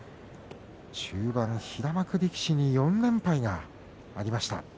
中盤に平幕力士に４連敗がありました。